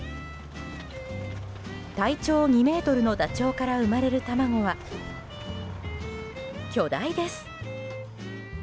体長２ｍのダチョウから生まれる卵は巨大です。